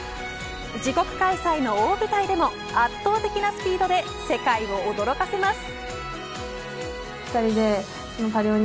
自国開催の大舞台でも圧倒的なスピードで世界を驚かせます。